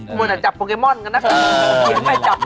หมดแต่จับโปเกมอนก็น่ะ